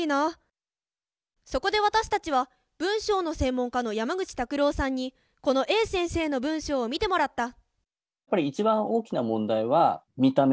そこで私たちは文章の専門家の山口拓朗さんにこのＡ先生の文章を見てもらった